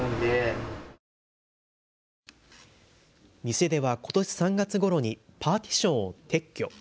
店ではことし３月ごろにパーティションを撤去。